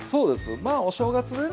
まあお正月でね